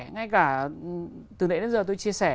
ngay cả từ đấy đến giờ tôi chia sẻ